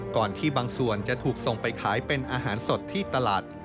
ที่บางส่วนจะถูกส่งไปขายเป็นอาหารสดที่ตลาด